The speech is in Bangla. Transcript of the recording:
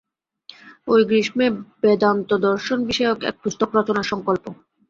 এই গ্রীষ্মে বেদান্তদর্শন-বিষয়ক এক পুস্তক রচনার সঙ্কল্প।